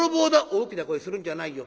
「大きな声するんじゃないよ。